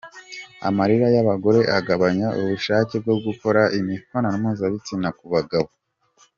Amarira y’abagore agabanya ubushake bwo gukora imibonano mpuzabitsina ku abagabo